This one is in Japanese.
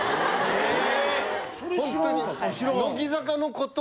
へぇ。